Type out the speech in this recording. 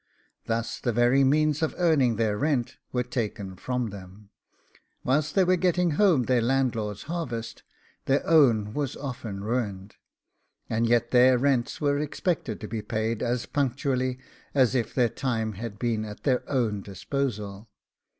Thus the very means of earning their rent were taken from them: whilst they were getting home their landlord's harvest, their own was often ruined, and yet their rents were expected to be paid as punctually as if their time had been at their own disposal.